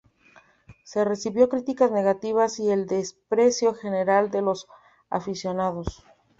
Se recibió críticas negativas y el desprecio general de los aficionados.